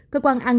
cơ quan an